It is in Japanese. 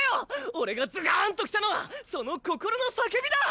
おれがズガンときたのはその心のさけびだ！